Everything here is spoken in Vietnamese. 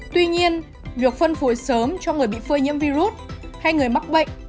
tuy nhiên việc phân phối sớm cho người bị phơi nhiễm virus hay người mắc bệnh